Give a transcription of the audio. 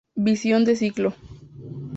Visión de ciclo.